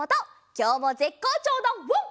きょうもぜっこうちょうだワン！